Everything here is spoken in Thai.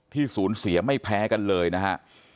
ศูนย์เสียไม่แพ้กันเลยนะฮะ